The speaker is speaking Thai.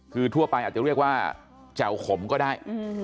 คือทั่วไปอาจจะเรียกว่าแจ่วขมก็ได้